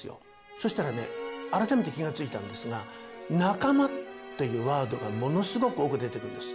そしたらね、改めて気がついたんですが、仲間というワードが、ものすごく多く出てくるんです。